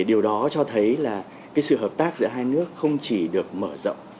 điều đó cho thấy sự hợp tác giữa hai nước không chỉ được mở rộng